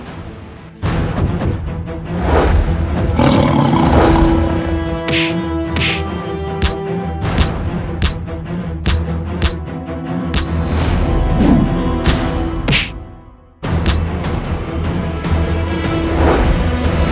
aku sudah tidak punya alih alih